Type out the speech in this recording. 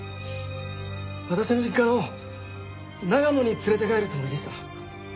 私の実家の長野に連れて帰るつもりでした。